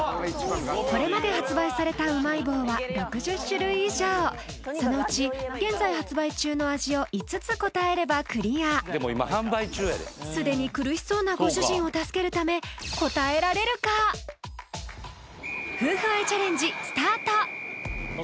これまで発売されたうまい棒は６０種類以上そのうち現在発売中の味を５つ答えればクリアすでに苦しそうなご主人を助けるため夫婦愛チャレンジ